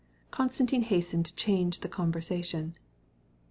Konstantin made haste to change the conversation.